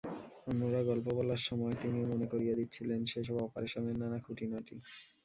অন্যরা গল্প বলার সময় তিনিও মনে করিয়ে দিচ্ছিলেন সেসব অপারেশনের নানা খুঁটিনাটি।